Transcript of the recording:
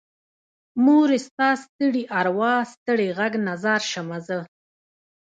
مورې ستا ستړي ارواه ستړې غږ نه ځار شمه زه